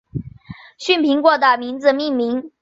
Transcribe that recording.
旭苹果的名字命名。